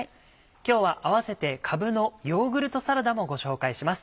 今日は併せて「かぶのヨーグルトサラダ」もご紹介します。